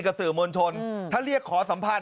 กับสื่อมวลชนทั้งเรียกขอสัมภาษณ์